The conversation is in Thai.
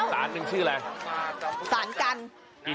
สารนึงชื่ออะไร